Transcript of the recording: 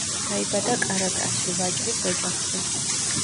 დაიბადა კარაკასში, ვაჭრის ოჯახში.